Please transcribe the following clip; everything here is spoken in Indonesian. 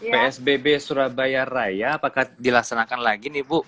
psbb surabaya raya apakah dilaksanakan lagi nih bu